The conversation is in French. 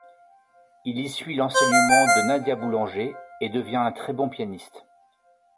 Il y suit l'enseignement de Nadia Boulanger et devient un très bon pianiste.